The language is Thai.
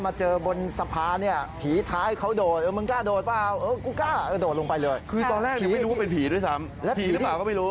แล้วเล่าเป็นตุ๊กเป็นตาใช่ไหม